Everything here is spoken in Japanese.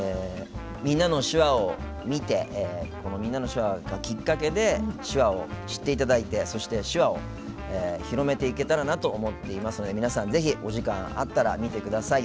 「みんなの手話」を見てこの「みんなの手話」がきっかけで手話を知っていただいてそして、手話を広めていけたらなと思っていますので皆さん、ぜひお時間あったら見てください。